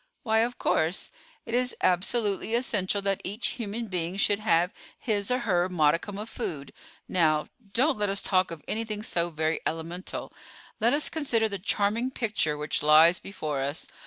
"Why, of course; it is absolutely essential that each human being should have his or her modicum of food. Now, don't let us talk of anything so very elemental. Let us consider the charming picture which lies before us.